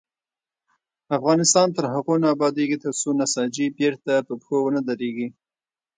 افغانستان تر هغو نه ابادیږي، ترڅو نساجي بیرته په پښو ونه دریږي.